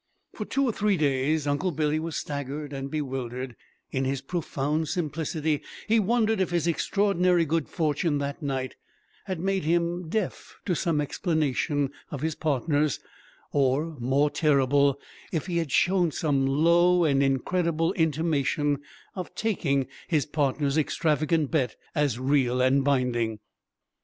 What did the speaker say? For two or three days Uncle Billy was staggered and bewildered; in his profound simplicity he wondered if his extraordinary good fortune that night had made him deaf to some explanation of his partner's, or, more terrible, if he had shown some "low" and incredible intimation of taking his partner's extravagant bet as real and binding.